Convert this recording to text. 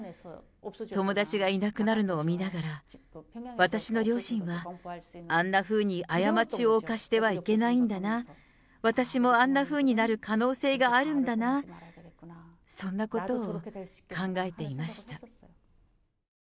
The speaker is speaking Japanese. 友達がいなくなるのを見ながら、私の両親はあんなふうに過ちを犯してはいけないんだな、私もあんなふうになる可能性があるんだな、そんなことを考えていました。